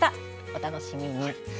お楽しみに。